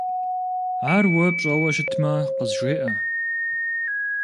Ар уэ пщӀэуэ щытмэ, къызжеӏэ.